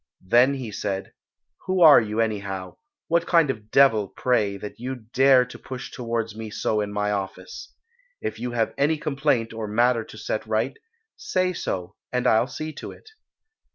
Then he said, "Who are you, anyhow; what kind of devil, pray, that you dare to push towards me so in my office? If you have any complaint or matter to set right, say so, and I'll see to it."